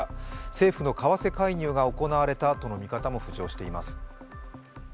政府の為替介入が行われたとの見方も浮上しています。